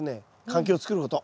環境をつくること。